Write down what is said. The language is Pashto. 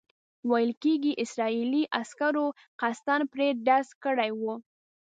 ویل کېږي اسرائیلي عسکرو قصداً پرې ډز کړی وو.